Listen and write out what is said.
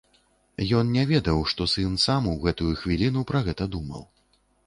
Ён не ведаў, што сын сам у гэтую хвіліну пра гэта думаў.